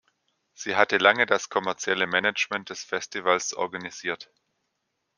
Sie hatte lange das kommerzielle Management des Festivals organisiert.